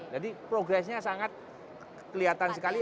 jadi progress nya sangat kelihatan sekali